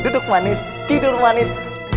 duduk manis tidur manis